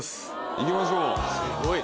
行きましょう。